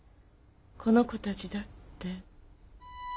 この子たちだって。